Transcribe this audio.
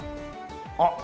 あっ！